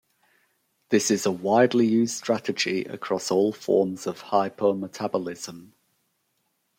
This is a widely used strategy across all forms of hypometabolism.